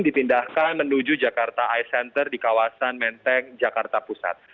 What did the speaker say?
dipindahkan menuju jakarta eye center di kawasan menteng jakarta pusat